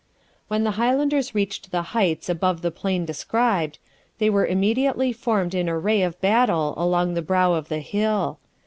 When the Highlanders reached the heights above the plain described, they were immediately formed in array of battle along the brow of the hill.